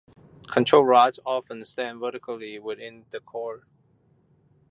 Control rods often stand vertically within the core.